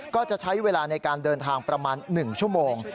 ก็จะใช้เวลาในการเดินทางประมาณ๑ชั่วโมง